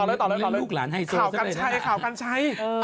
มีลูกหลานให้เซอร์สวข่าวกันชัย